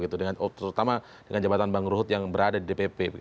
terutama dengan jabatan bang ruhut yang berada di dpp